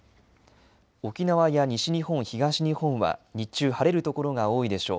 沖縄や西日本、東日本は日中、晴れる所が多いでしょう。